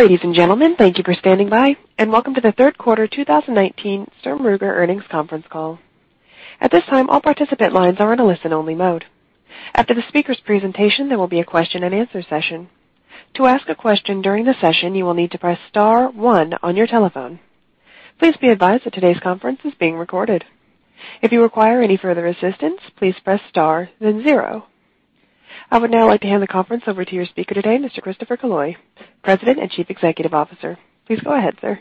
Ladies and gentlemen, thank you for standing by, and welcome to the third quarter 2019 Sturm Ruger earnings conference call. At this time, all participant lines are in a listen-only mode. After the speaker's presentation, there will be a question and answer session. To ask a question during the session, you will need to press star one on your telephone. Please be advised that today's conference is being recorded. If you require any further assistance, please press star, then zero. I would now like to hand the conference over to your speaker today, Mr. Christopher Killoy, President and Chief Executive Officer. Please go ahead, sir.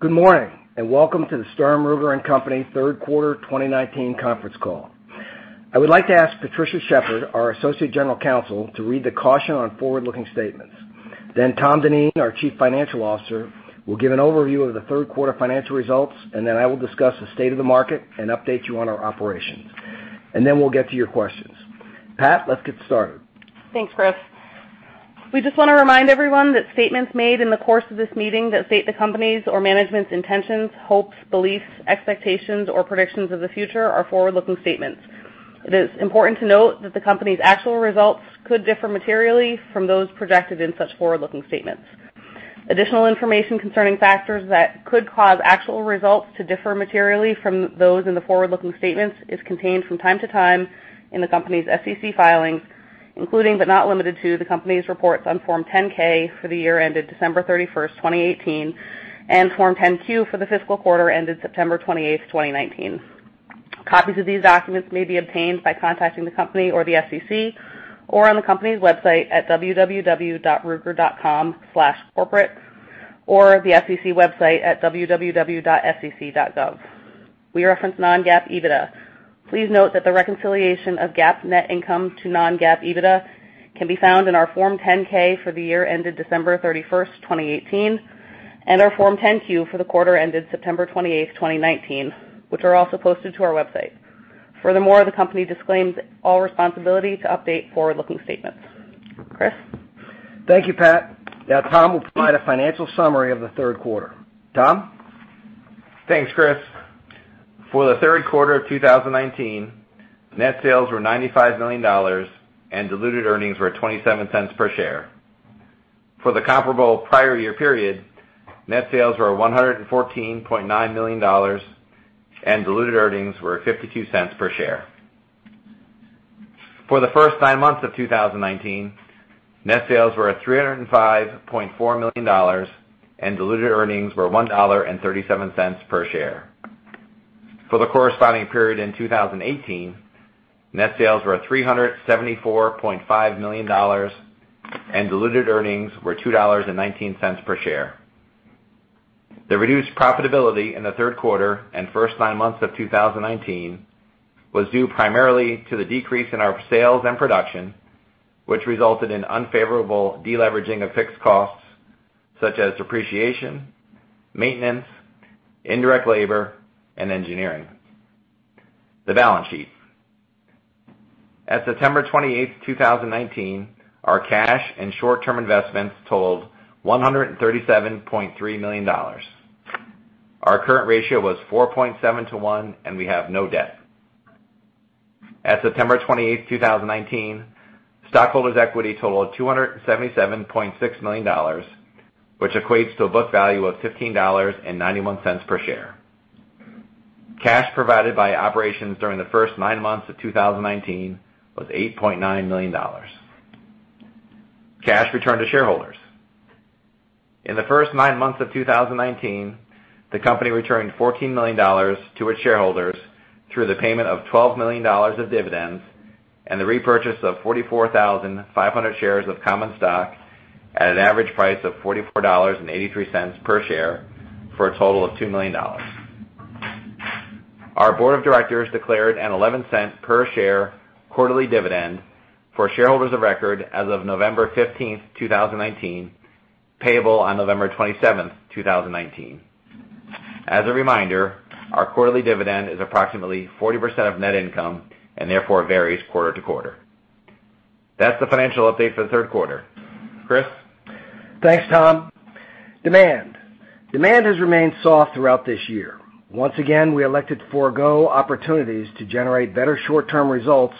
Good morning, and welcome to the Sturm, Ruger & Company third quarter 2019 conference call. I would like to ask Patricia Shepard, our Associate General Counsel, to read the caution on forward-looking statements. Tom Dineen, our Chief Financial Officer, will give an overview of the third quarter financial results, and then I will discuss the state of the market and update you on our operations. Then we'll get to your questions. Pat, let's get started. Thanks, Chris. We just want to remind everyone that statements made in the course of this meeting that state the company's or management's intentions, hopes, beliefs, expectations, or predictions of the future are forward-looking statements. It is important to note that the company's actual results could differ materially from those projected in such forward-looking statements. Additional information concerning factors that could cause actual results to differ materially from those in the forward-looking statements is contained from time to time in the company's SEC filings, including but not limited to the company's reports on Form 10-K for the year ended December 31st, 2018, and Form 10-Q for the fiscal quarter ended September 28th, 2019. Copies of these documents may be obtained by contacting the company or the SEC, or on the company's website at www.ruger.com/corporate, or the SEC website at www.sec.gov. We reference non-GAAP EBITDA. Please note that the reconciliation of GAAP net income to non-GAAP EBITDA can be found in our Form 10-K for the year ended December 31st, 2018, and our Form 10-Q for the quarter ended September 28th, 2019, which are also posted to our website. Furthermore, the company disclaims all responsibility to update forward-looking statements. Chris? Thank you, Pat. Now Tom will provide a financial summary of the third quarter. Tom? Thanks, Chris. For the third quarter of 2019, net sales were $95 million, diluted earnings were $0.27 per share. For the comparable prior year period, net sales were $114.9 million, diluted earnings were $0.52 per share. For the first nine months of 2019, net sales were $305.4 million, diluted earnings were $1.37 per share. For the corresponding period in 2018, net sales were $374.5 million, diluted earnings were $2.19 per share. The reduced profitability in the third quarter and first nine months of 2019 was due primarily to the decrease in our sales and production, which resulted in unfavorable de-leveraging of fixed costs such as depreciation, maintenance, indirect labor, and engineering. The balance sheet. At September 28th, 2019, our cash and short-term investments totaled $137.3 million. Our current ratio was 4.7 to 1, we have no debt. At September 28th, 2019, stockholders' equity totaled $277.6 million, which equates to a book value of $15.91 per share. Cash provided by operations during the first nine months of 2019 was $8.9 million. Cash returned to shareholders. In the first nine months of 2019, the company returned $14 million to its shareholders through the payment of $12 million of dividends and the repurchase of 44,500 shares of common stock at an average price of $44.83 per share for a total of $2 million. Our board of directors declared an $0.11 per share quarterly dividend for shareholders of record as of November 15th, 2019, payable on November 27th, 2019. As a reminder, our quarterly dividend is approximately 40% of net income and therefore varies quarter to quarter. That's the financial update for the third quarter. Chris? Thanks, Tom. Demand. Demand has remained soft throughout this year. Once again, we elected to forgo opportunities to generate better short-term results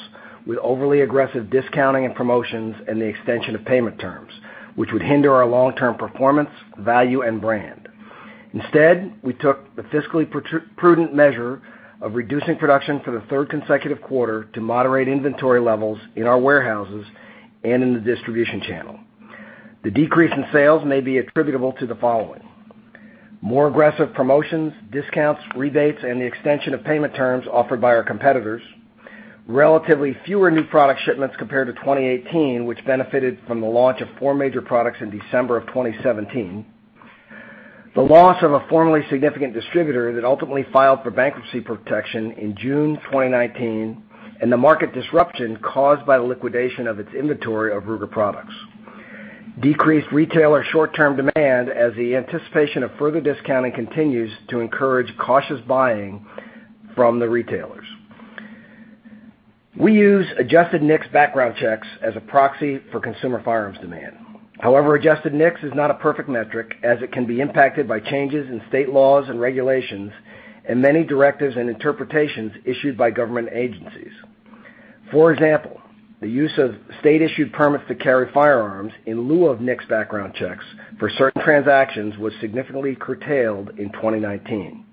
with overly aggressive discounting and promotions and the extension of payment terms, which would hinder our long-term performance, value, and brand. Instead, we took the fiscally prudent measure of reducing production for the third consecutive quarter to moderate inventory levels in our warehouses and in the distribution channel. The decrease in sales may be attributable to the following: More aggressive promotions, discounts, rebates, and the extension of payment terms offered by our competitors. Relatively fewer new product shipments compared to 2018, which benefited from the launch of four major products in December of 2017. The loss of a formerly significant distributor that ultimately filed for bankruptcy protection in June 2019 and the market disruption caused by the liquidation of its inventory of Ruger products. Decreased retailer short-term demand as the anticipation of further discounting continues to encourage cautious buying from the retailers. We use adjusted NICS background checks as a proxy for consumer firearms demand. However, adjusted NICS is not a perfect metric, as it can be impacted by changes in state laws and regulations and many directives and interpretations issued by government agencies. For example, the use of state-issued permits to carry firearms in lieu of NICS background checks for certain transactions was significantly curtailed in 2019.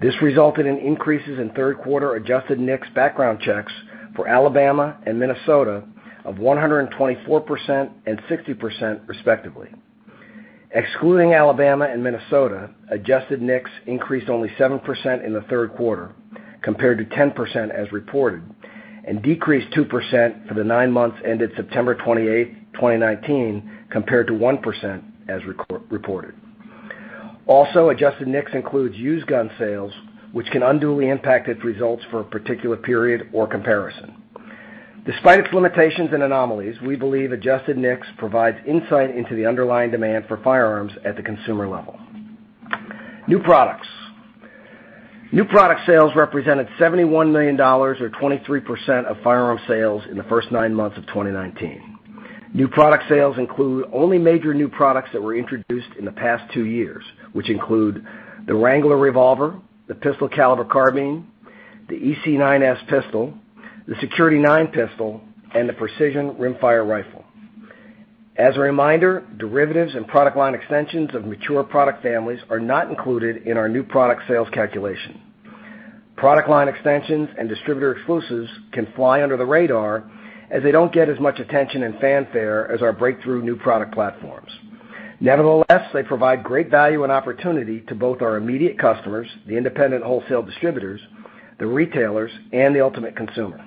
This resulted in increases in third quarter adjusted NICS background checks for Alabama and Minnesota of 124% and 60%, respectively. Excluding Alabama and Minnesota, adjusted NICS increased only 7% in the third quarter compared to 10% as reported, and decreased 2% for the nine months ended September 28, 2019, compared to 1% as reported. Also, adjusted NICS includes used gun sales, which can unduly impact its results for a particular period or comparison. Despite its limitations and anomalies, we believe adjusted NICS provides insight into the underlying demand for firearms at the consumer level. New products. New product sales represented $71 million, or 23% of firearm sales in the first nine months of 2019. New product sales include only major new products that were introduced in the past two years, which include the Wrangler Revolver, the Pistol Caliber Carbine, the EC9s pistol, the Security-9 pistol, and the Ruger Precision Rimfire. As a reminder, derivatives and product line extensions of mature product families are not included in our new product sales calculation. Product line extensions and distributor exclusives can fly under the radar, as they don't get as much attention and fanfare as our breakthrough new product platforms. Nevertheless, they provide great value and opportunity to both our immediate customers, the independent wholesale distributors, the retailers, and the ultimate consumer.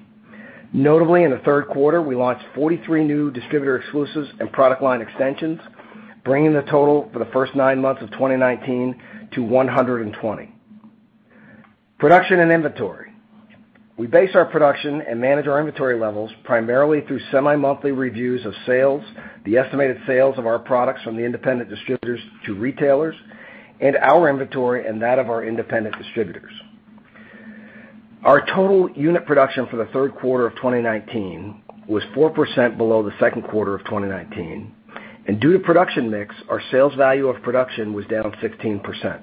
Notably, in the third quarter, we launched 43 new distributor exclusives and product line extensions, bringing the total for the first nine months of 2019 to 120. Production and inventory. We base our production and manage our inventory levels primarily through semi-monthly reviews of sales, the estimated sales of our products from the independent distributors to retailers, and our inventory and that of our independent distributors. Our total unit production for the third quarter of 2019 was 4% below the second quarter of 2019, and due to production mix, our sales value of production was down 16%.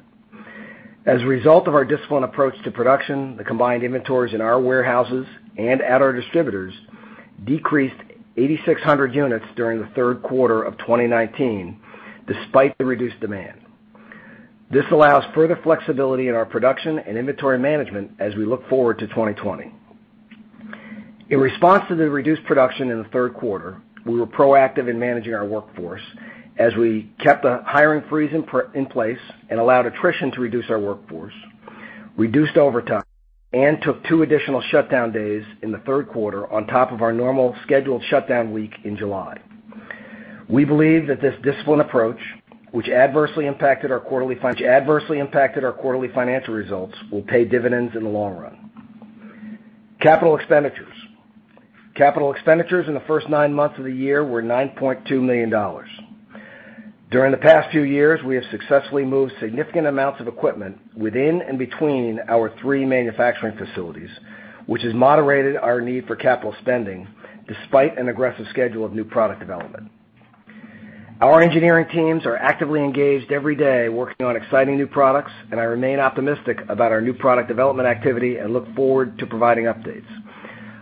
As a result of our disciplined approach to production, the combined inventories in our warehouses and at our distributors decreased 8,600 units during the third quarter of 2019, despite the reduced demand. This allows further flexibility in our production and inventory management as we look forward to 2020. In response to the reduced production in the third quarter, we were proactive in managing our workforce as we kept a hiring freeze in place and allowed attrition to reduce our workforce, reduced overtime, and took two additional shutdown days in the third quarter on top of our normal scheduled shutdown week in July. We believe that this disciplined approach, which adversely impacted our quarterly financial results, will pay dividends in the long run. Capital expenditures. Capital expenditures in the first nine months of the year were $9.2 million. During the past few years, we have successfully moved significant amounts of equipment within and between our three manufacturing facilities, which has moderated our need for capital spending despite an aggressive schedule of new product development. Our engineering teams are actively engaged every day working on exciting new products, I remain optimistic about our new product development activity and look forward to providing updates.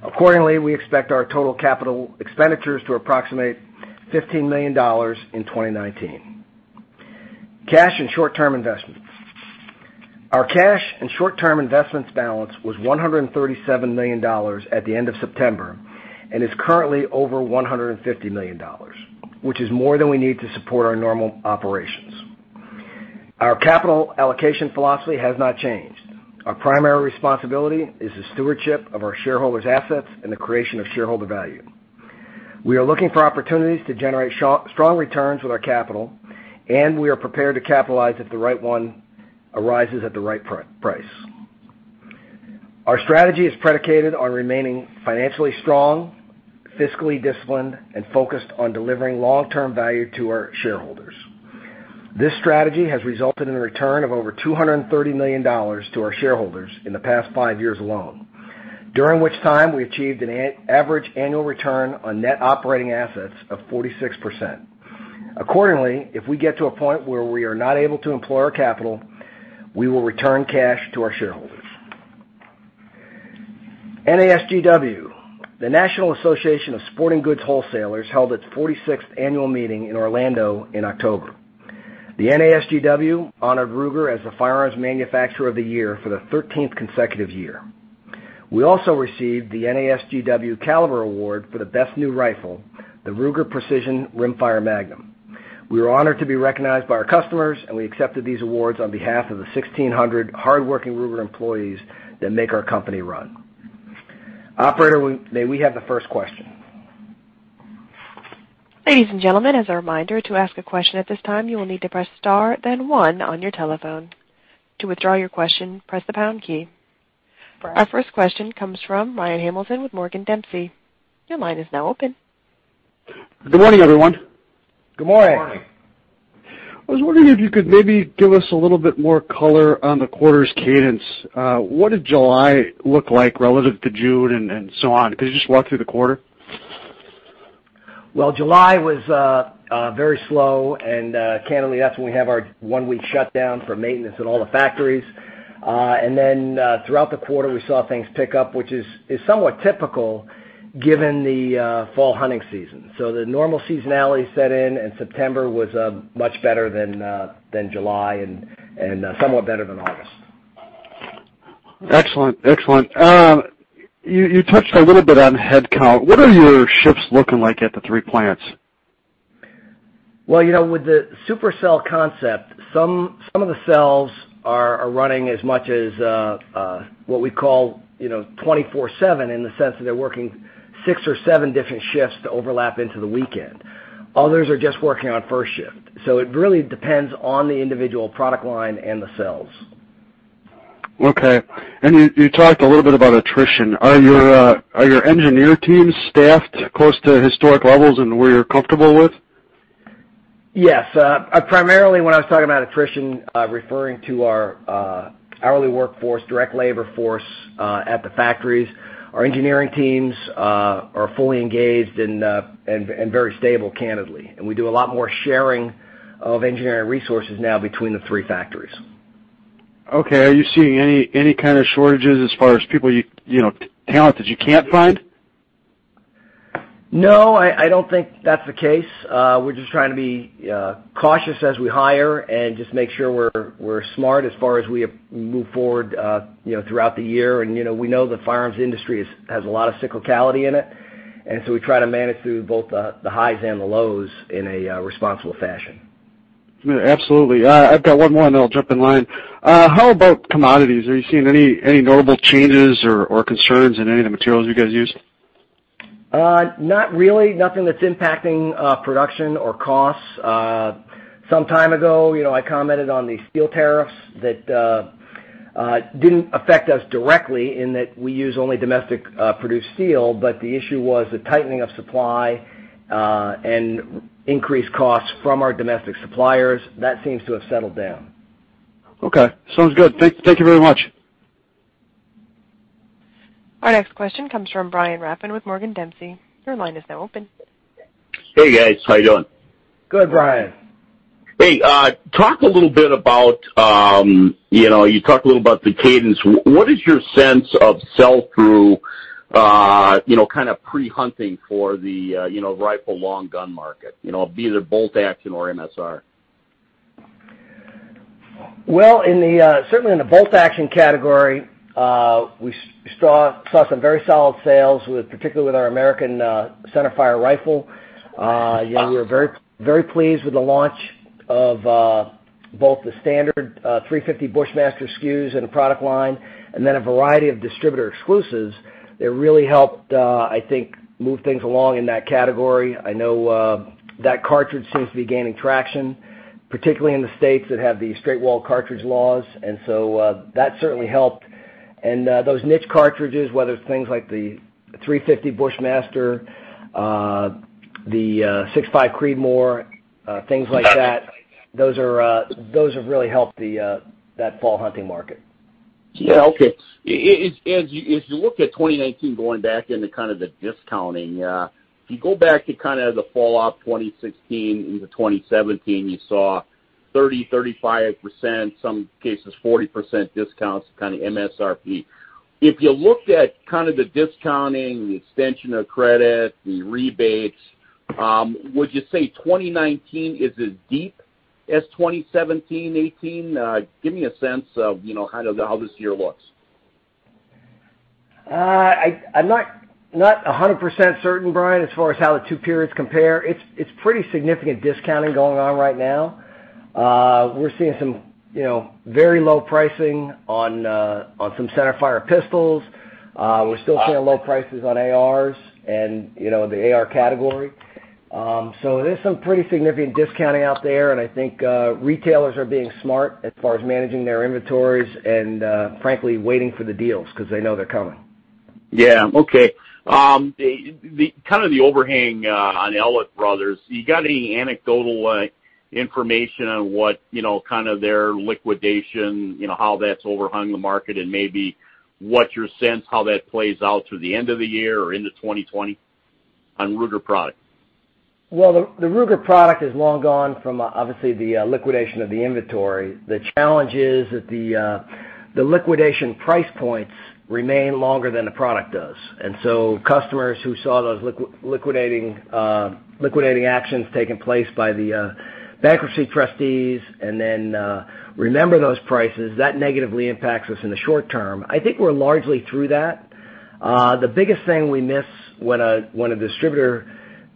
Accordingly, we expect our total capital expenditures to approximate $15 million in 2019. Cash and short-term investments. Our cash and short-term investments balance was $137 million at the end of September and is currently over $150 million, which is more than we need to support our normal operations. Our capital allocation philosophy has not changed. Our primary responsibility is the stewardship of our shareholders' assets and the creation of shareholder value. We are looking for opportunities to generate strong returns with our capital, and we are prepared to capitalize if the right one arises at the right price. Our strategy is predicated on remaining financially strong, fiscally disciplined, and focused on delivering long-term value to our shareholders. This strategy has resulted in a return of over $230 million to our shareholders in the past five years alone, during which time we achieved an average annual return on net operating assets of 46%. Accordingly, if we get to a point where we are not able to employ our capital, we will return cash to our shareholders. NASGW. The National Association of Sporting Goods Wholesalers held its 46th annual meeting in Orlando in October. The NASGW honored Ruger as the firearms manufacturer of the year for the 13th consecutive year. We also received the NASGW Caliber Award for the best new rifle, the Ruger Precision Rimfire Magnum. We were honored to be recognized by our customers, and we accepted these awards on behalf of the 1,600 hardworking Ruger employees that make our company run. Operator, may we have the first question? Ladies and gentlemen, as a reminder, to ask a question at this time, you will need to press star, then one on your telephone. To withdraw your question, press the pound key. Brad. Our first question comes from Ryan Hamilton with Morgan Dempsey. Your line is now open. Good morning, everyone. Good morning. I was wondering if you could maybe give us a little bit more color on the quarter's cadence. What did July look like relative to June and so on? Could you just walk through the quarter? Well, July was very slow, and candidly, that's when we have our one-week shutdown for maintenance at all the factories. Throughout the quarter, we saw things pick up, which is somewhat typical given the fall hunting season. The normal seasonality set in, and September was much better than July and somewhat better than August. Excellent. You touched a little bit on headcount. What are your shifts looking like at the three plants? Well, with the super cell concept, some of the cells are running as much as what we call 24/7, in the sense that they're working six or seven different shifts to overlap into the weekend. Others are just working on the first shift. It really depends on the individual product line and the cells. Okay. You talked a little bit about attrition. Are your engineer teams staffed close to historic levels and where you're comfortable with? Yes. Primarily when I was talking about attrition, I'm referring to our hourly workforce, direct labor force at the factories. Our engineering teams are fully engaged and very stable, candidly. We do a lot more sharing of engineering resources now between the three factories. Are you seeing any kind of shortages as far as people, talent that you can't find? I don't think that's the case. We're just trying to be cautious as we hire and just make sure we're smart as far as we move forward throughout the year. We know the firearms industry has a lot of cyclicality in it, and so we try to manage through both the highs and the lows in a responsible fashion. Yeah, absolutely. I've got one more, and then I'll jump in line. How about commodities? Are you seeing any notable changes or concerns in any of the materials you guys use? Not really. Nothing that's impacting production or costs. Some time ago, I commented on the steel tariffs. That didn't affect us directly in that we use only domestically produced steel, but the issue was the tightening of supply, and increased costs from our domestic suppliers. That seems to have settled down. Okay. Sounds good. Thank you very much. Our next question comes from Brian Rafn with Morgan Dempsey. Your line is now open. Hey, guys. How you doing? Good, Brian. Hey, you talked a little about the cadence. What is your sense of sell-through, kind of pre-hunting for the rifle long gun market, be it either bolt-action or MSR? Certainly in the bolt-action category, we saw some very solid sales, particularly with our Ruger American® Rifle. We were very pleased with the launch of both the standard 350 Bushmaster SKUs and the product line, and then a variety of distributor exclusives that really helped, I think, move things along in that category. I know that cartridge seems to be gaining traction, particularly in the states that have the straight wall cartridge laws, that certainly helped. Those niche cartridges, whether it's things like the 350 Bushmaster, the 6.5 Creedmoor, things like that, those have really helped that fall hunting market. Yeah. Okay. As you look at 2019, going back into kind of the discounting, if you go back to kind of the fallout 2016 into 2017, you saw 30%, 35%, some cases 40% discounts to kind of MSRP. If you looked at kind of the discounting, the extension of credit, the rebates, would you say 2019 is as deep as 2017, 2018? Give me a sense of how this year looks. I'm not 100% certain, Brian, as far as how the two periods compare. It's pretty significant discounting going on right now. We're seeing some very low pricing on some centerfire pistols. We're still seeing low prices on ARs and the AR category. There's some pretty significant discounting out there, and I think retailers are being smart as far as managing their inventories and, frankly, waiting for the deals because they know they're coming. Yeah. Okay. The overhang on Ellett Brothers, you got any anecdotal information on what kind of their liquidation, how that's overhung the market, and maybe what's your sense how that plays out through the end of the year or into 2020 on Ruger product? The Ruger product is long gone from, obviously, the liquidation of the inventory. The challenge is that the liquidation price points remain longer than the product does. Customers who saw those liquidating actions taking place by the bankruptcy trustees and then remember those prices, that negatively impacts us in the short term. I think we're largely through that. The biggest thing we miss when a distributor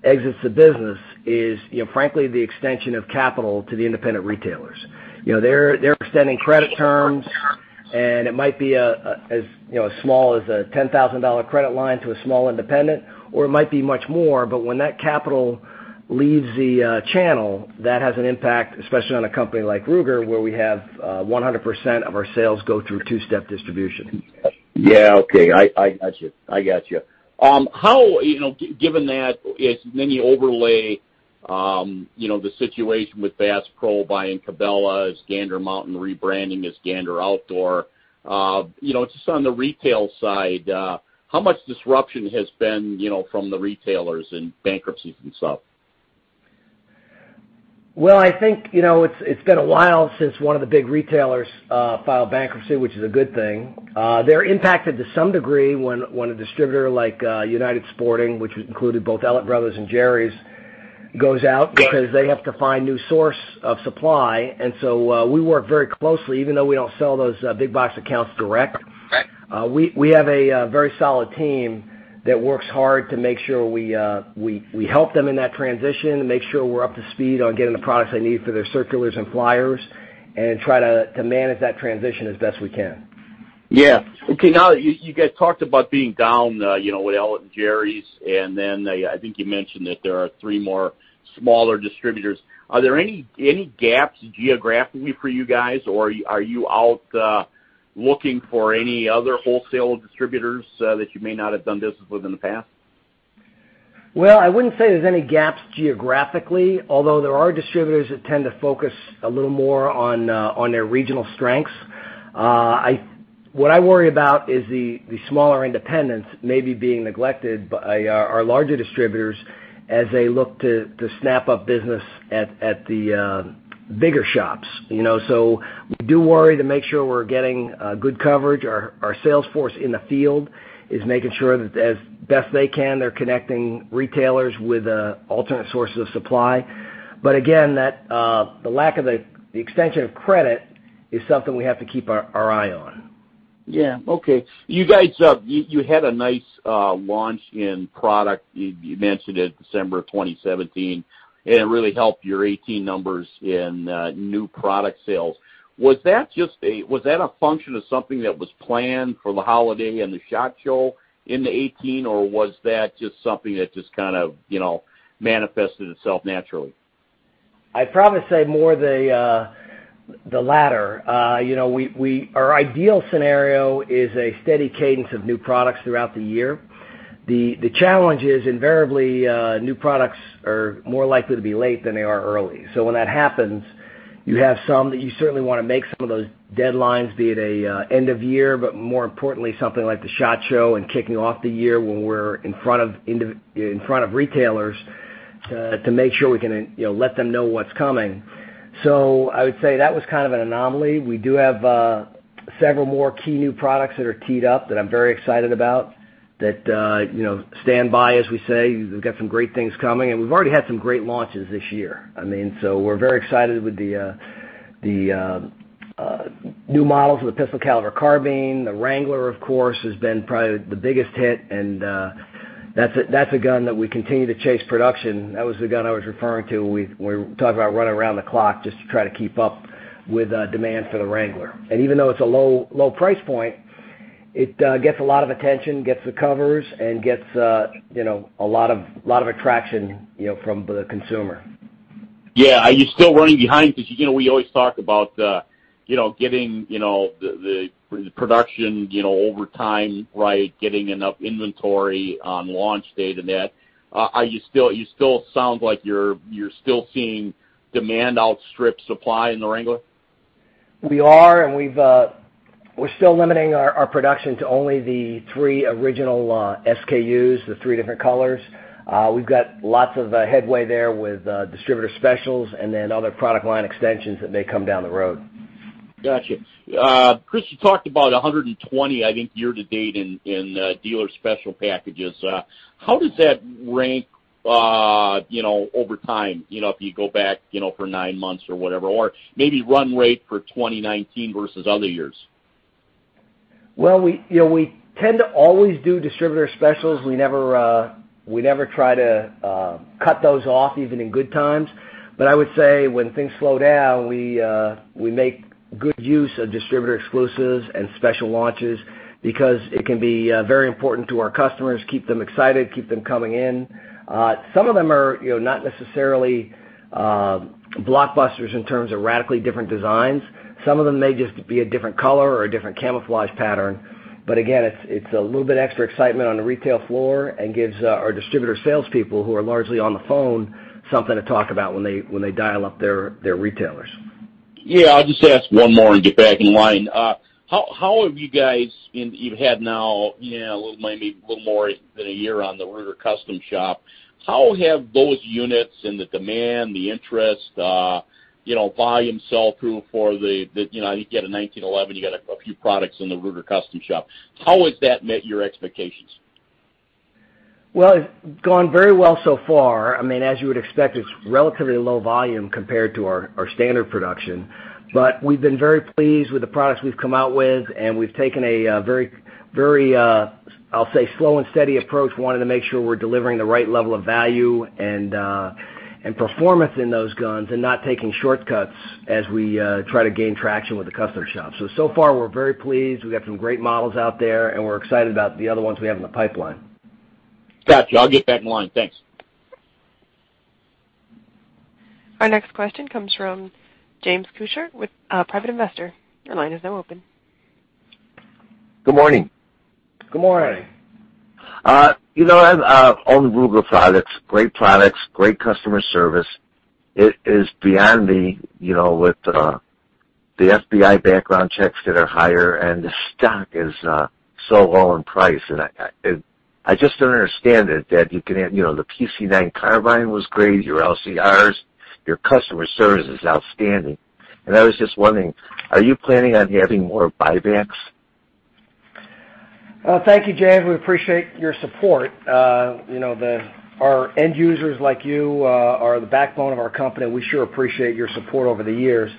exits the business is, frankly, the extension of capital to the independent retailers. They're extending credit terms, and it might be as small as a $10,000 credit line to a small independent, or it might be much more, but when that capital leaves the channel, that has an impact, especially on a company like Ruger, where we have 100% of our sales go through two-step distribution. Yeah. Okay. I got you. Given that, the situation with Bass Pro buying Cabela's, Gander Mountain rebranding as Gander Outdoors. Just on the retail side, how much disruption has been from the retailers and bankruptcies and so? Well, I think, it's been a while since one of the big retailers filed bankruptcy, which is a good thing. They're impacted to some degree when a distributor like United Sporting, which included both Ellett Brothers and Jerry's, goes out, because they have to find new source of supply. We work very closely, even though we don't sell those big box accounts direct. Right. We have a very solid team that works hard to make sure we help them in that transition and make sure we're up to speed on getting the products they need for their circulars and flyers, and try to manage that transition as best we can. Yeah. Okay. Now that you guys talked about being down, with Ellett and Jerry's, I think you mentioned that there are 3 more smaller distributors. Are there any gaps geographically for you guys, or are you out looking for any other wholesale distributors that you may not have done business with in the past? Well, I wouldn't say there's any gaps geographically, although there are distributors that tend to focus a little more on their regional strengths. What I worry about is the smaller independents maybe being neglected by our larger distributors as they look to snap up business at the bigger shops. We do worry to make sure we're getting good coverage. Our sales force in the field is making sure that as best they can, they're connecting retailers with alternate sources of supply. Again, the lack of the extension of credit is something we have to keep our eye on. Yeah. Okay. You guys, you had a nice launch in product, you mentioned it, December of 2017, and it really helped your '18 numbers in new product sales. Was that a function of something that was planned for the holiday and the SHOT Show into '18, or was that just something that just kind of manifested itself naturally? I'd probably say more the latter. Our ideal scenario is a steady cadence of new products throughout the year. The challenge is invariably, new products are more likely to be late than they are early. When that happens, you have some that you certainly want to make some of those deadlines, be it a end of year, but more importantly, something like the SHOT Show and kicking off the year when we're in front of retailers, to make sure we can let them know what's coming. I would say that was kind of an anomaly. We do have several more key new products that are teed up that I'm very excited about that standby, as we say. We've got some great things coming, and we've already had some great launches this year. We're very excited with the new models of the Pistol Caliber Carbine. The Wrangler, of course, has been probably the biggest hit, and that's a gun that we continue to chase production. That was the gun I was referring to when we were talking about running around the clock just to try to keep up with demand for the Wrangler. Even though it's a low price point, it gets a lot of attention, gets the covers, and gets a lot of attraction from the consumer. Yeah. Are you still running behind? We always talk about getting the production over time, right, getting enough inventory on launch date and that. You still sound like you're still seeing demand outstrip supply in the Wrangler. We're still limiting our production to only the three original SKUs, the three different colors. We've got lots of headway there with distributor specials and then other product line extensions that may come down the road. Got you. Chris, you talked about 120, I think, year to date in dealer special packages. How does that rank over time, if you go back for nine months or whatever, or maybe run rate for 2019 versus other years? Well, we tend to always do distributor specials. We never try to cut those off, even in good times. I would say when things slow down, we make good use of distributor exclusives and special launches because it can be very important to our customers, keep them excited, keep them coming in. Some of them are not necessarily blockbusters in terms of radically different designs. Some of them may just be a different color or a different camouflage pattern. Again, it's a little bit extra excitement on the retail floor and gives our distributor salespeople, who are largely on the phone, something to talk about when they dial up their retailers. Yeah. I'll just ask one more and get back in line. How have you guys, and you've had now maybe a little more than a year on the Ruger Custom Shop, how have those units and the demand, the interest, volume, sell-through for the 1911, you got a few products in the Ruger Custom Shop. How has that met your expectations? Well, it's gone very well so far. As you would expect, it's relatively low volume compared to our standard production. We've been very pleased with the products we've come out with, and we've taken a very, I'll say, slow and steady approach, wanting to make sure we're delivering the right level of value and performance in those guns and not taking shortcuts as we try to gain traction with the Custom Shop. So far we're very pleased. We got some great models out there, and we're excited about the other ones we have in the pipeline. Got you. I'll get back in line. Thanks. Our next question comes from James Kusher with Private Investor. Your line is now open. Good morning. Good morning. I own Ruger products. Great products, great customer service. It is beyond me, with the FBI background checks that are higher, and the stock is so low in price. I just don't understand it. The PC9 Carbine was great, your LCRs. Your customer service is outstanding. I was just wondering, are you planning on having more buybacks? Thank you, James. We appreciate your support. Our end users like you are the backbone of our company, and we sure appreciate your support over the years.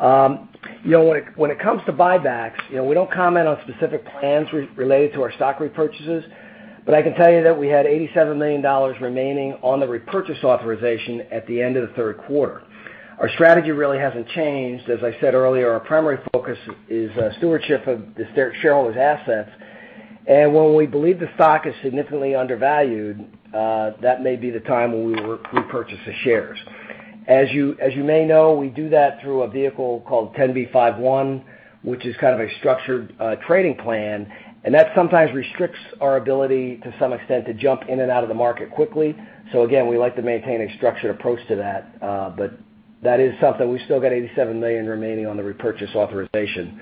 When it comes to buybacks, we don't comment on specific plans related to our stock repurchases. I can tell you that we had $87 million remaining on the repurchase authorization at the end of the third quarter. Our strategy really hasn't changed. As I said earlier, our primary focus is stewardship of the shareholders' assets. When we believe the stock is significantly undervalued, that may be the time when we repurchase the shares. As you may know, we do that through a vehicle called 10b5-1, which is kind of a structured trading plan, and that sometimes restricts our ability to some extent to jump in and out of the market quickly. Again, we like to maintain a structured approach to that. That is something. We still got $87 million remaining on the repurchase authorization.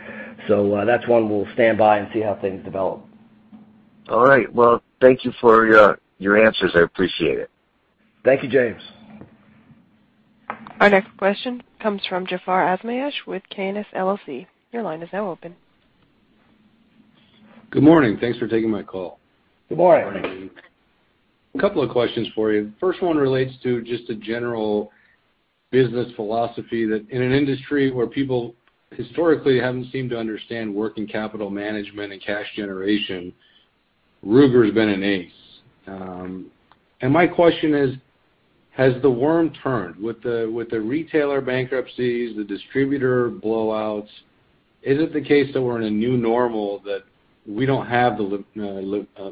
That's one we'll stand by and see how things develop. All right. Well, thank you for your answers. I appreciate it. Thank you, James. Our next question comes from Jafar Azmayesh with K&S LLC. Your line is now open. Good morning. Thanks for taking my call. Good morning. A couple of questions for you. First one relates to just a general business philosophy that in an industry where people historically haven't seemed to understand working capital management and cash generation, Ruger's been an ace. My question is, has the worm turned? With the retailer bankruptcies, the distributor blowouts, is it the case that we're in a new normal that we don't have the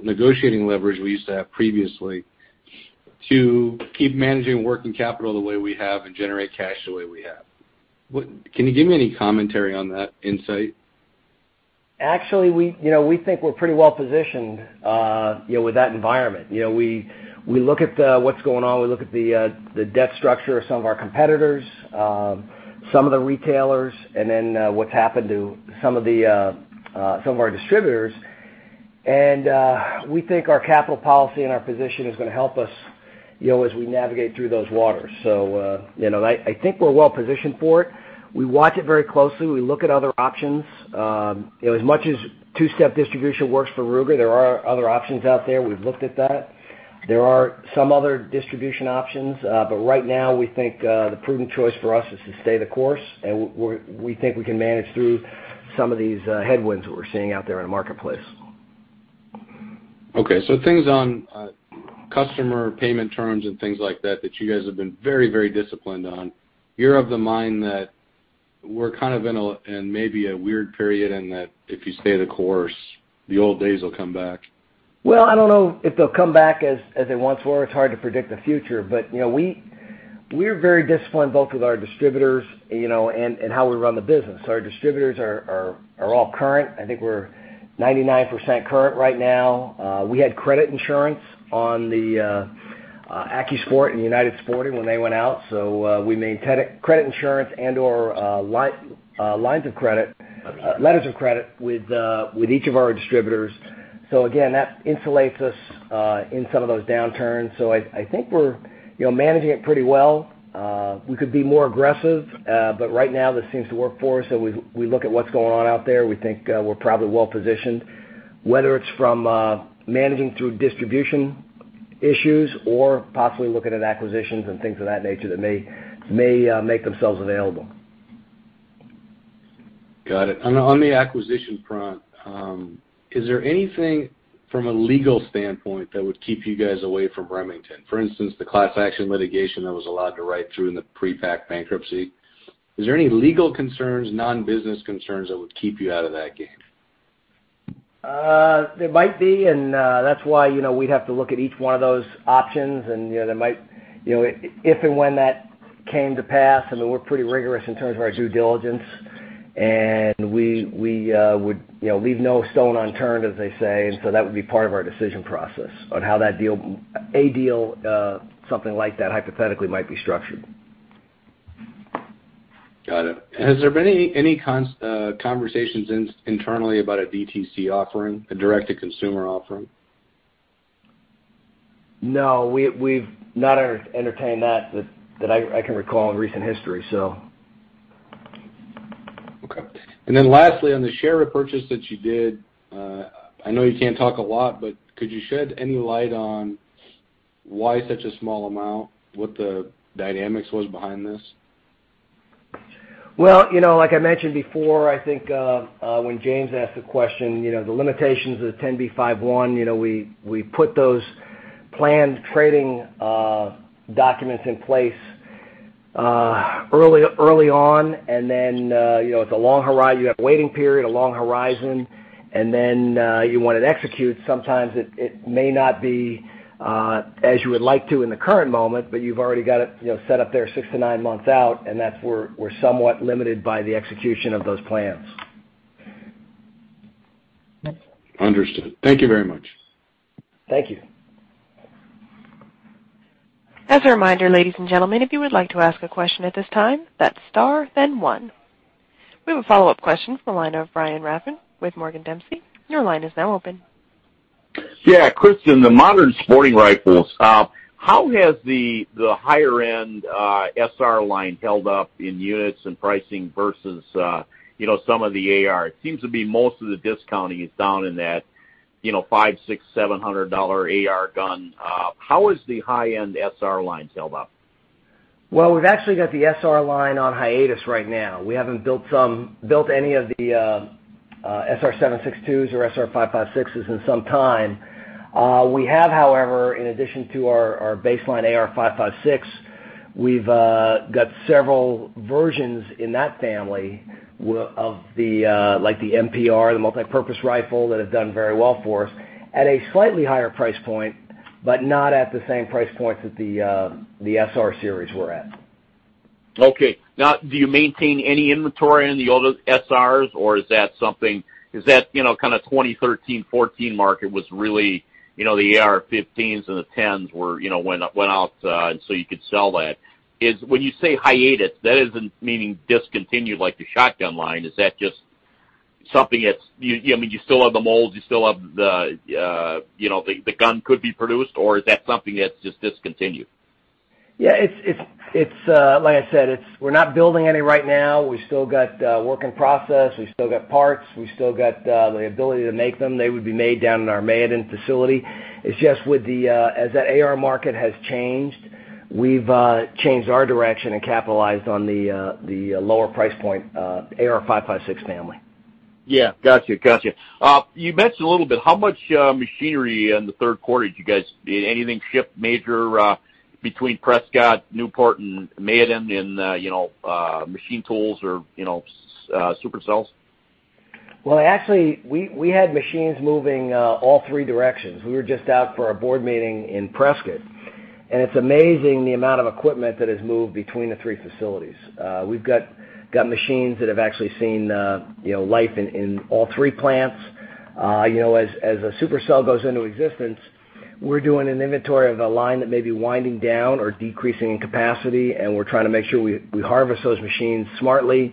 negotiating leverage we used to have previously to keep managing working capital the way we have and generate cash the way we have? Can you give me any commentary on that insight? Actually, we think we're pretty well-positioned with that environment. We look at what's going on, we look at the debt structure of some of our competitors, some of the retailers, and then what's happened to some of our distributors. We think our capital policy and our position is going to help us as we navigate through those waters. I think we're well-positioned for it. We watch it very closely. We look at other options. As much as two-step distribution works for Ruger, there are other options out there. We've looked at that. There are some other distribution options. Right now, we think the prudent choice for us is to stay the course, and we think we can manage through some of these headwinds that we're seeing out there in the marketplace. Okay, things on customer payment terms and things like that you guys have been very disciplined on, you're of the mind that we're kind of in maybe a weird period and that if you stay the course, the old days will come back. Well, I don't know if they'll come back as they once were. It's hard to predict the future. We're very disciplined both with our distributors and how we run the business. Our distributors are all current. I think we're 99% current right now. We had credit insurance on the AcuSport and United Sporting when they went out. We maintained credit insurance and/or letters of credit with each of our distributors. Again, that insulates us in some of those downturns. I think we're managing it pretty well. We could be more aggressive. Right now, this seems to work for us. We look at what's going on out there. We think we're probably well-positioned, whether it's from managing through distribution issues or possibly looking at acquisitions and things of that nature that may make themselves available. Got it. On the acquisition front, is there anything from a legal standpoint that would keep you guys away from Remington? For instance, the class action litigation that was allowed to ride through in the pre-packed bankruptcy. Is there any legal concerns, non-business concerns that would keep you out of that game? There might be, and that's why we'd have to look at each one of those options. If and when that came to pass, we're pretty rigorous in terms of our due diligence. We would leave no stone unturned, as they say. That would be part of our decision process on how a deal, something like that, hypothetically might be structured. Got it. Has there been any conversations internally about a DTC offering, a direct-to-consumer offering? No, we've not entertained that I can recall in recent history. Okay. Lastly, on the share repurchase that you did, I know you can't talk a lot, but could you shed any light on why such a small amount, what the dynamics was behind this? Well, like I mentioned before, I think when James asked the question, the limitations of the 10b5-1, we put those planned trading documents in place early on, and then it's a long horizon. You have a waiting period, a long horizon, and then you want to execute. Sometimes it may not be as you would like to in the current moment, but you've already got it set up there six to nine months out, and that's where we're somewhat limited by the execution of those plans. Understood. Thank you very much. Thank you. As a reminder, ladies and gentlemen, if you would like to ask a question at this time, that's star 1. We have a follow-up question from the line of Brian Rafn with Morgan Dempsey. Your line is now open. Christian, the modern sporting rifles, how has the higher-end SR line held up in units and pricing versus some of the AR? It seems to be most of the discounting is down in that $500, $600, $700 AR gun. How has the high-end SR lines held up? Well, we've actually got the SR line on hiatus right now. We haven't built any of the SR-762s or SR-556s in some time. We have, however, in addition to our baseline AR-556, we've got several versions in that family, like the MPR, the multipurpose rifle, that have done very well for us, at a slightly higher price point, but not at the same price point that the SR series were at. Do you maintain any inventory on the older SRs, or is that kind of 2013, 2014 market was really the AR-15s and the 10s went out, so you could sell that? When you say hiatus, that isn't meaning discontinued like the shotgun line. Is that just something that you still have the mold, the gun could be produced, or is that something that's just discontinued? Like I said, we're not building any right now. We still got work in process. We still got parts. We still got the ability to make them. They would be made down in our Mayodan facility. It's just as that AR market has changed, we've changed our direction and capitalized on the lower price point AR-556 family. Yeah. Got you. You mentioned a little bit, how much machinery in the third quarter did anything ship major between Prescott, Newport, and Mayodan in machine tools or super cells? Well, actually, we had machines moving all three directions. We were just out for a board meeting in Prescott, and it's amazing the amount of equipment that has moved between the three facilities. We've got machines that have actually seen life in all three plants. As a super cell goes into existence, we're doing an inventory of a line that may be winding down or decreasing in capacity, and we're trying to make sure we harvest those machines smartly.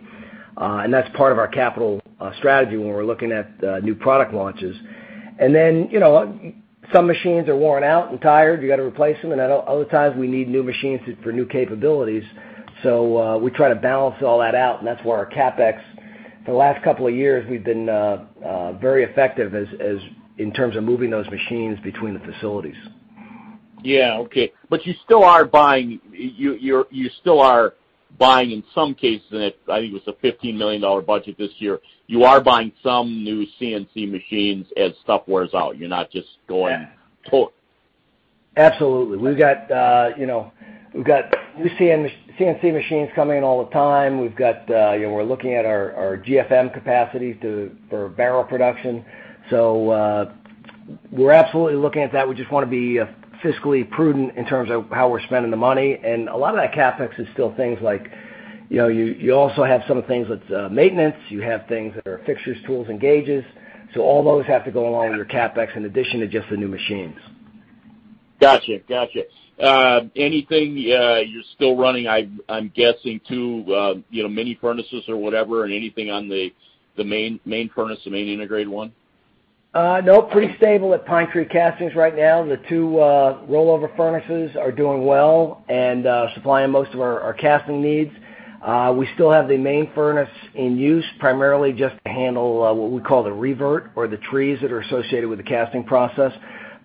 That's part of our capital strategy when we're looking at new product launches. Some machines are worn out and tired, you got to replace them, and other times we need new machines for new capabilities. We try to balance all that out, and that's where our CapEx for the last couple of years, we've been very effective in terms of moving those machines between the facilities. Yeah. Okay. You still are buying, in some cases, I think it was a $15 million budget this year. You are buying some new CNC machines as stuff wears out. You're not just going totally- Absolutely. We've got CNC machines coming in all the time. We're looking at our GFM capacity for barrel production. We're absolutely looking at that. We just want to be fiscally prudent in terms of how we're spending the money, and a lot of that CapEx is still things like you also have some things with maintenance. You have things that are fixtures, tools, and gauges. All those have to go along with your CapEx in addition to just the new machines. Got you. Anything you're still running, I'm guessing, too, mini furnaces or whatever, and anything on the main furnace, the main integrated one? No. Pretty stable at Pine Tree Castings right now. The two rollover furnaces are doing well and supplying most of our casting needs. We still have the main furnace in use, primarily just to handle what we call the revert or the trees that are associated with the casting process,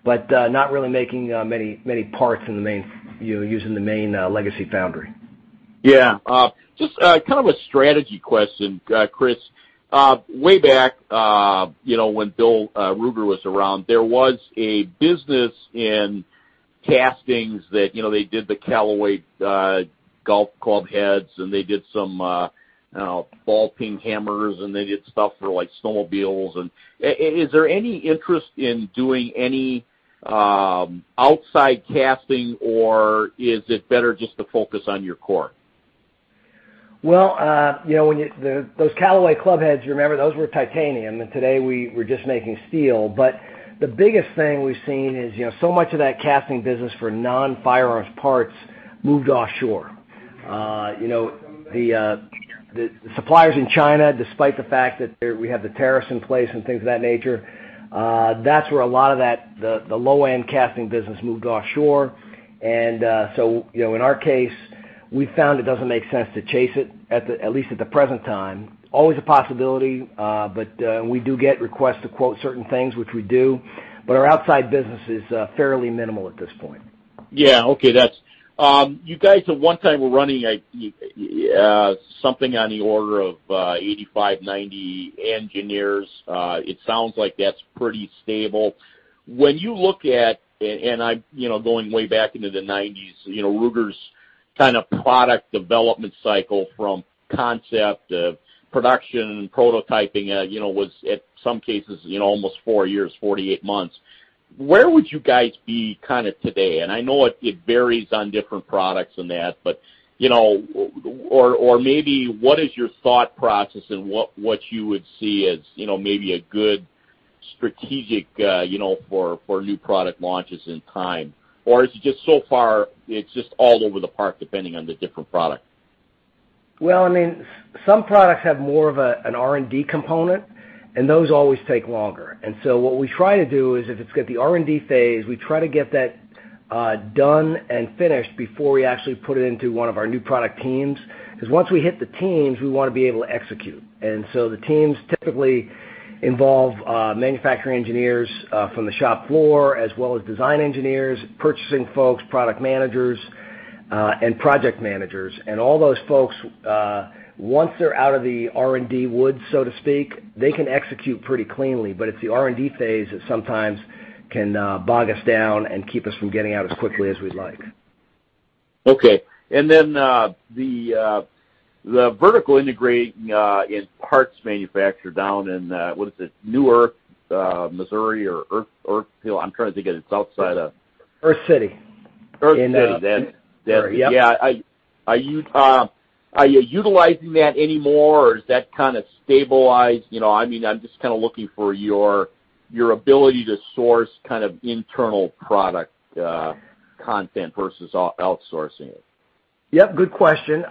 but not really making many parts using the main legacy foundry. Yeah. Just kind of a strategy question, Chris. Way back, when Bill Ruger was around, there was a business in castings that they did the Callaway golf club heads, and they did some ball-peen hammers, and they did stuff for snowmobiles. Is there any interest in doing any outside casting, or is it better just to focus on your core? Well, those Callaway club heads, remember, those were titanium, and today we're just making steel. The biggest thing we've seen is so much of that casting business for non-firearms parts moved offshore. The suppliers in China, despite the fact that we have the tariffs in place and things of that nature, that's where a lot of the low-end casting business moved offshore. In our case, we found it doesn't make sense to chase it, at least at the present time. Always a possibility, but we do get requests to quote certain things, which we do, but our outside business is fairly minimal at this point. Yeah. Okay. You guys at one time were running something on the order of 85, 90 engineers. It sounds like that's pretty stable. When you look at, and I'm going way back into the '90s, Ruger's kind of product development cycle from concept to production and prototyping was, at some cases almost four years, 48 months. Where would you guys be kind of today? I know it varies on different products and that, or maybe what is your thought process and what you would see as maybe a good strategic for new product launches in time? Is it just so far, it's just all over the park depending on the different product? Some products have more of an R&D component, and those always take longer. What we try to do is if it's got the R&D phase, we try to get that done and finished before we actually put it into one of our new product teams. Once we hit the teams, we want to be able to execute. The teams typically involve manufacturing engineers from the shop floor as well as design engineers, purchasing folks, product managers, and project managers. All those folks, once they're out of the R&D woods, so to speak, they can execute pretty cleanly. It's the R&D phase that sometimes can bog us down and keep us from getting out as quickly as we'd like. Okay. The vertical integrating in parts manufacture down in, what is it, Earth City, Missouri or Earth Hill? Earth City. Earth City. In Missouri. Yep. Yeah. Are you utilizing that anymore, or is that kind of stabilized? I'm just kind of looking for your ability to source kind of internal product content versus outsourcing it. Yep, good question.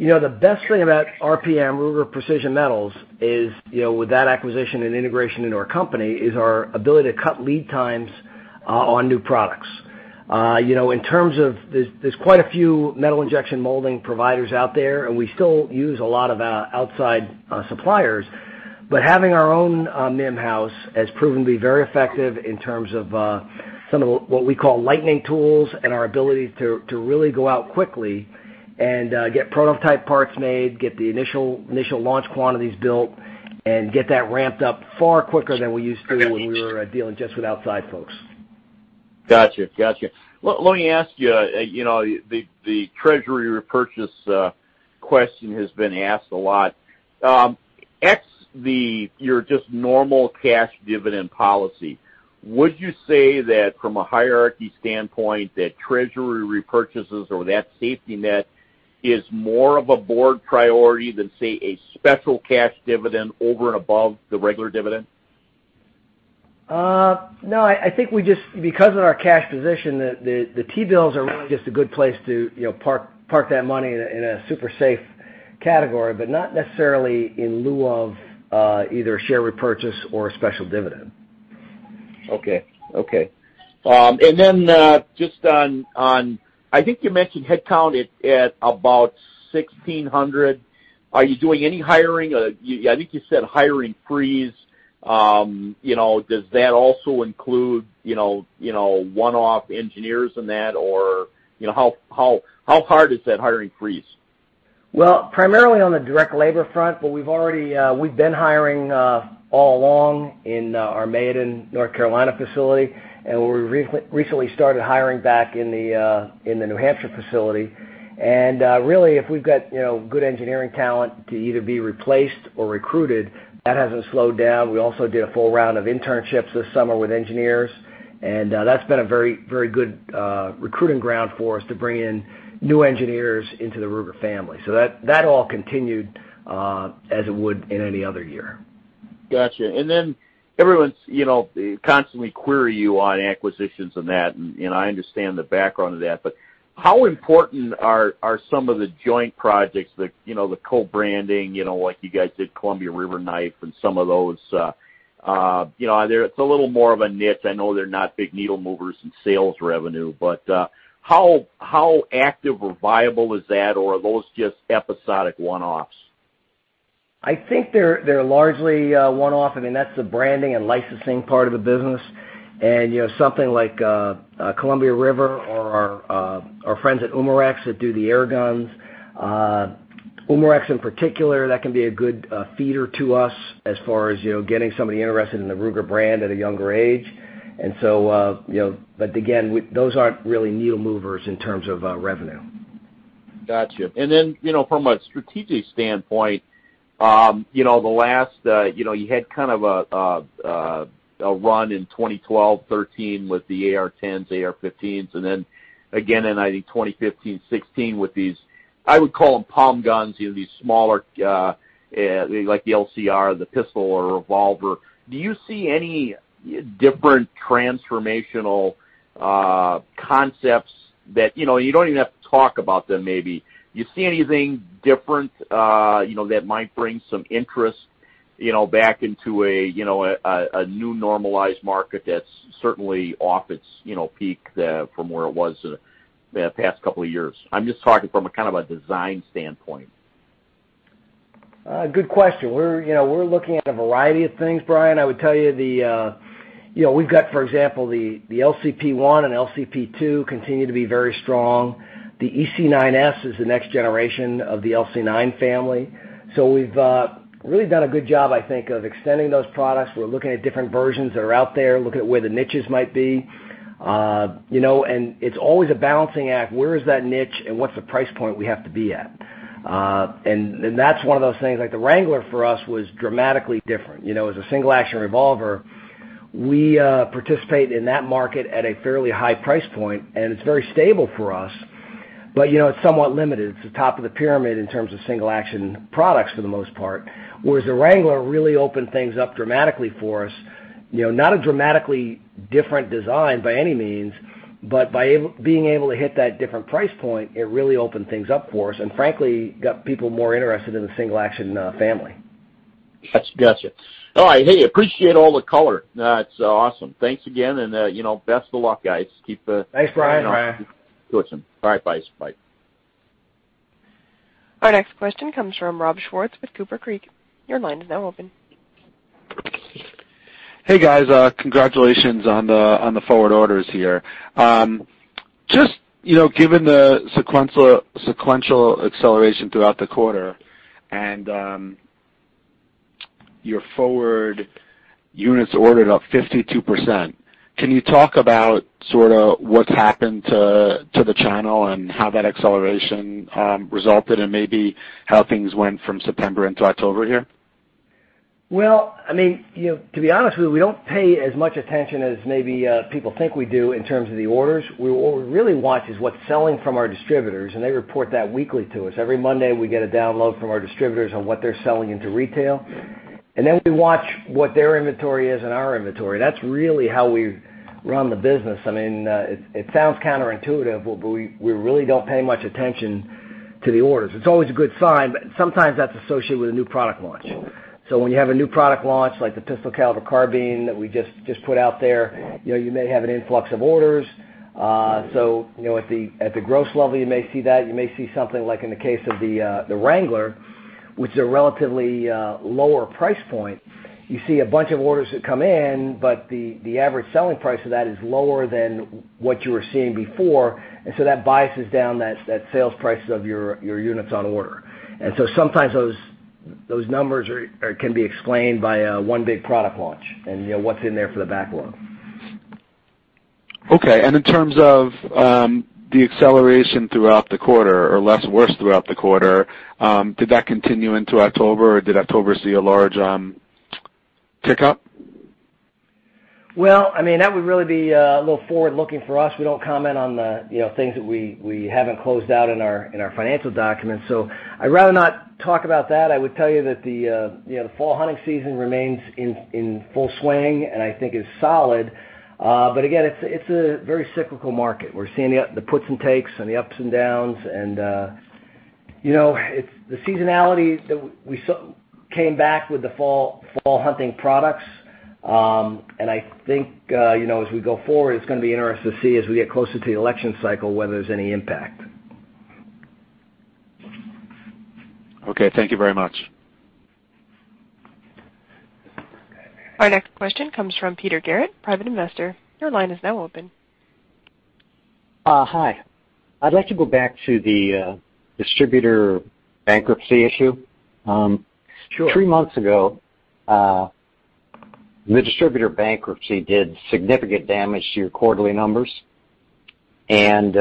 The best thing about RPM, Ruger Precision Metals, is with that acquisition and integration into our company, is our ability to cut lead times on new products. There's quite a few metal injection molding providers out there, and we still use a lot of outside suppliers, but having our own MIM house has proven to be very effective in terms of some of what we call lightning tools and our ability to really go out quickly and get prototype parts made, get the initial launch quantities built, and get that ramped up far quicker than we used to when we were dealing just with outside folks. Got you. Let me ask you, the treasury repurchase question has been asked a lot. Ex your just normal cash dividend policy, would you say that from a hierarchy standpoint, that treasury repurchases or that safety net is more of a board priority than, say, a special cash dividend over and above the regular dividend? No, I think because of our cash position, the T-bills are really just a good place to park that money in a super safe category, but not necessarily in lieu of either a share repurchase or a special dividend. Okay. Just on, I think you mentioned headcount at about 1,600. Are you doing any hiring? I think you said hiring freeze. Does that also include one-off engineers and that, or how hard is that hiring freeze? Well, primarily on the direct labor front, but we've been hiring all along in our Mayodan, North Carolina facility, and we recently started hiring back in the New Hampshire facility. Really, if we've got good engineering talent to either be replaced or recruited, that hasn't slowed down. We also did a full round of internships this summer with engineers, and that's been a very good recruiting ground for us to bring in new engineers into the Ruger family. That all continued, as it would in any other year. Got you. Everyone's constantly query you on acquisitions and that, and I understand the background of that, but how important are some of the joint projects, the co-branding, like you guys did Columbia River Knife and some of those? It's a little more of a niche. I know they're not big needle movers in sales revenue, but how active or viable is that, or are those just episodic one-offs? I think they're largely a one-off. That's the branding and licensing part of the business. Something like Columbia River or our friends at Umarex that do the airguns. Umarex in particular, that can be a good feeder to us as far as getting somebody interested in the Ruger brand at a younger age. Again, those aren't really needle movers in terms of revenue. Got you. Then, from a strategic standpoint, you had kind of a run in 2012, 2013 with the AR-10s, AR-15s, and then again in, I think, 2015, 2016 with these, I would call them palm guns, these smaller, like the LCR, the pistol, or a revolver. Do you see any different transformational concepts that you don't even have to talk about them, maybe. Do you see anything different that might bring some interest back into a new normalized market that's certainly off its peak from where it was the past couple of years? I'm just talking from a kind of a design standpoint. Good question. We're looking at a variety of things, Brian. I would tell you, we've got, for example, the LCP1 and LCP2 continue to be very strong. The EC9s is the next generation of the LC9 family. We've really done a good job, I think, of extending those products. We're looking at different versions that are out there, looking at where the niches might be. It's always a balancing act. Where is that niche, and what's the price point we have to be at? That's one of those things, like the Wrangler for us was dramatically different. As a single-action revolver, we participate in that market at a fairly high price point, and it's very stable for us. It's somewhat limited. It's the top of the pyramid in terms of single-action products for the most part, whereas the Wrangler really opened things up dramatically for us. Not a dramatically different design by any means, but by being able to hit that different price point, it really opened things up for us and frankly, got people more interested in the single-action family. Got you. All right. Hey, appreciate all the color. That's awesome. Thanks again, and best of luck, guys. Thanks, Brian. All right, bye. Our next question comes from Rob Schwartz with Cooper Creek. Your line is now open. Hey, guys. Congratulations on the forward orders here. Just given the sequential acceleration throughout the quarter and your forward units ordered up 52%, can you talk about sort of what's happened to the channel and how that acceleration resulted, maybe how things went from September into October here? Well, to be honest with you, we don't pay as much attention as maybe people think we do in terms of the orders. What we really watch is what's selling from our distributors, and they report that weekly to us. Every Monday, we get a download from our distributors on what they're selling into retail, and then we watch what their inventory is and our inventory. That's really how we run the business. It sounds counterintuitive, but we really don't pay much attention to the orders. It's always a good sign, but sometimes that's associated with a new product launch. When you have a new product launch, like the Pistol Caliber Carbine that we just put out there, you may have an influx of orders. At the gross level, you may see that. You may see something like in the case of the Wrangler, which is a relatively lower price point. You see a bunch of orders that come in, but the average selling price of that is lower than what you were seeing before, and so that biases down that sales price of your units on order. Sometimes those numbers can be explained by one big product launch and what's in there for the backlog. Okay. In terms of the acceleration throughout the quarter, or less worse throughout the quarter, did that continue into October, or did October see a large tick-up? Well, that would really be a little forward-looking for us. We don't comment on the things that we haven't closed out in our financial documents. I'd rather not talk about that. I would tell you that the fall hunting season remains in full swing, and I think is solid. Again, it's a very cyclical market. We're seeing the puts and takes and the ups and downs, and the seasonality that we saw came back with the fall hunting products. I think, as we go forward, it's going to be interesting to see as we get closer to the election cycle, whether there's any impact. Okay. Thank you very much. Our next question comes from Peter Garrett, private investor. Your line is now open. Hi. I'd like to go back to the distributor bankruptcy issue. Sure. Three months ago, the distributor bankruptcy did significant damage to your quarterly numbers. In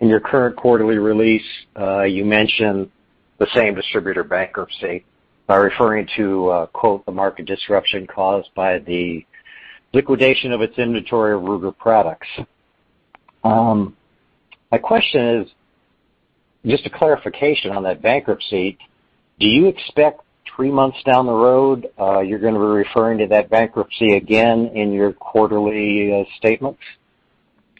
your current quarterly release, you mention the same distributor bankruptcy by referring to, quote, "The market disruption caused by the liquidation of its inventory of Ruger products." My question is, just a clarification on that bankruptcy. Do you expect three months down the road, you're going to be referring to that bankruptcy again in your quarterly statements?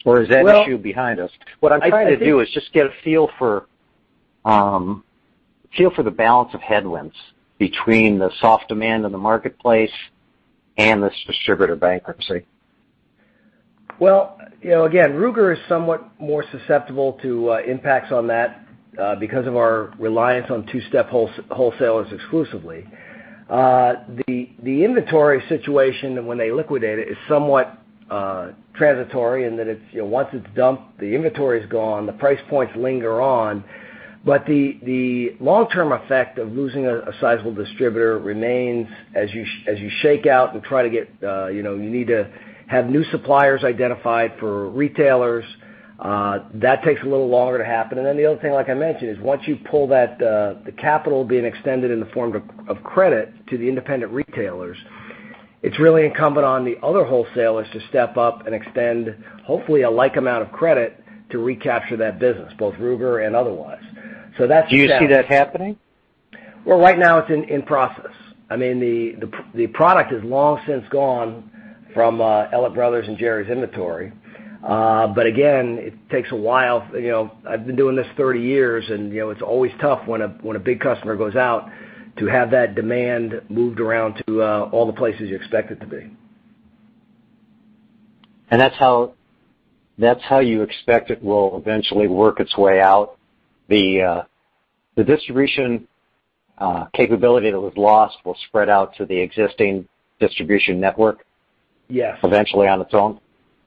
Well- Is that issue behind us? What I'm trying to do is just get a feel for the balance of headwinds between the soft demand in the marketplace and this distributor bankruptcy. Well, again, Ruger is somewhat more susceptible to impacts on that because of our reliance on two-step wholesalers exclusively. The inventory situation when they liquidate it is somewhat transitory in that once it's dumped, the inventory's gone, the price points linger on. The long-term effect of losing a sizable distributor remains as you shake out and you need to have new suppliers identified for retailers. That takes a little longer to happen. The other thing, like I mentioned, is once you pull that capital being extended in the form of credit to the independent retailers, it's really incumbent on the other wholesalers to step up and extend, hopefully, a like amount of credit to recapture that business, both Ruger and otherwise. Do you see that happening? Well, right now, it's in process. The product is long since gone from Ellett Brothers and Jerry's inventory. Again, it takes a while. I've been doing this 30 years, and it's always tough when a big customer goes out to have that demand moved around to all the places you expect it to be. That's how you expect it will eventually work its way out? The distribution capability that was lost will spread out to the existing distribution network. Yes eventually on its own?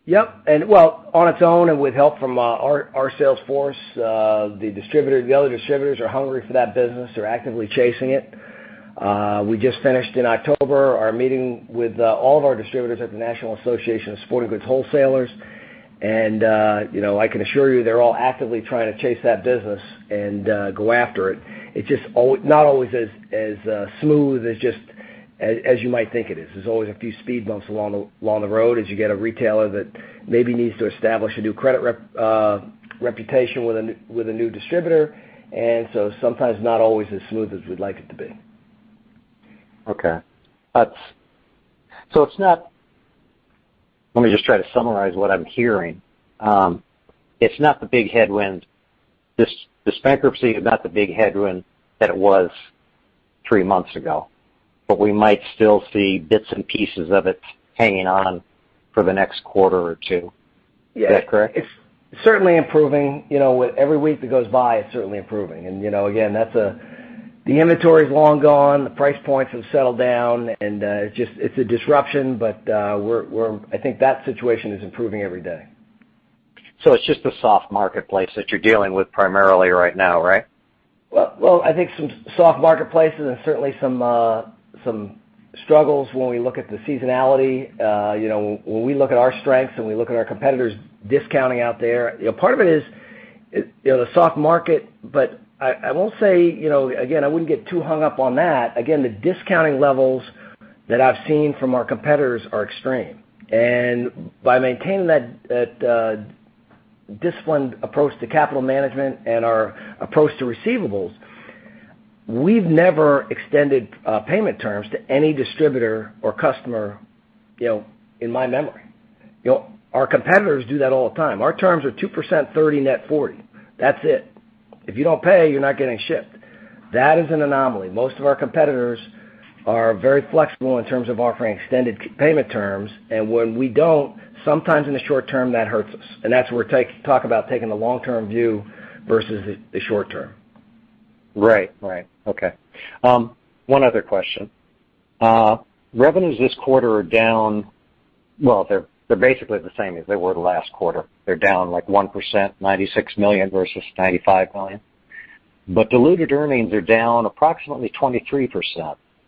Yep. Well, on its own and with help from our sales force. The other distributors are hungry for that business. They're actively chasing it. We just finished in October, our meeting with all of our distributors at the National Association of Sporting Goods Wholesalers. I can assure you they're all actively trying to chase that business and go after it. It's just not always as smooth as you might think it is. There's always a few speed bumps along the road as you get a retailer that maybe needs to establish a new credit reputation with a new distributor, sometimes not always as smooth as we'd like it to be. Okay. Let me just try to summarize what I'm hearing. This bankruptcy is not the big headwind that it was three months ago, but we might still see bits and pieces of it hanging on for the next quarter or two. Yes. Is that correct? It's certainly improving. With every week that goes by, it's certainly improving. Again, the inventory's long gone, the price points have settled down, and it's a disruption, but I think that situation is improving every day. It's just a soft marketplace that you're dealing with primarily right now, right? Well, I think some soft marketplaces and certainly some struggles when we look at the seasonality. When we look at our strengths and we look at our competitors discounting out there, part of it is the soft market. I won't say, again, I wouldn't get too hung up on that. Again, the discounting levels that I've seen from our competitors are extreme. By maintaining that disciplined approach to capital management and our approach to receivables, we've never extended payment terms to any distributor or customer, in my memory. Our competitors do that all the time. Our terms are 2%, 30 net 40. That's it. If you don't pay, you're not getting shipped. That is an anomaly. Most of our competitors are very flexible in terms of offering extended payment terms, and when we don't, sometimes in the short term, that hurts us, and that's where I talk about taking the long-term view versus the short term. Right. Okay. One other question. Revenues this quarter are down. Well, they're basically the same as they were last quarter. They're down like 1%, $96 million versus $95 million. Diluted earnings are down approximately 23%,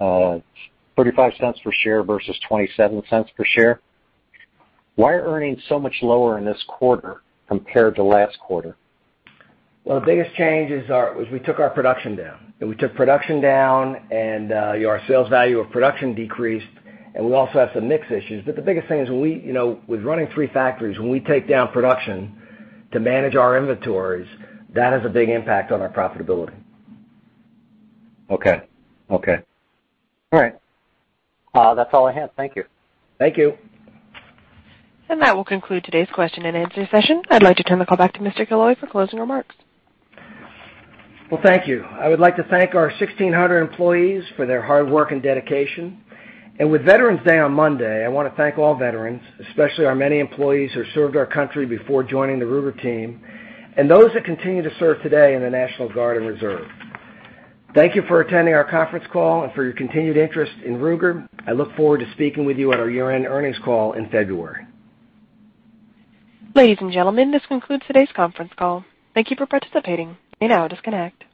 $0.35 per share versus $0.27 per share. Why are earnings so much lower in this quarter compared to last quarter? Well, the biggest change is we took our production down. We took production down and our sales value of production decreased, and we also have some mix issues. The biggest thing is with running three factories, when we take down production to manage our inventories, that has a big impact on our profitability. Okay. All right. That's all I have. Thank you. Thank you. That will conclude today's question and answer session. I'd like to turn the call back to Mr. Killoy for closing remarks. Well, thank you. I would like to thank our 1,600 employees for their hard work and dedication. With Veterans Day on Monday, I want to thank all veterans, especially our many employees who served our country before joining the Ruger team, and those that continue to serve today in the National Guard and Reserve. Thank you for attending our conference call and for your continued interest in Ruger. I look forward to speaking with you at our year-end earnings call in February. Ladies and gentlemen, this concludes today's conference call. Thank you for participating. You may now disconnect.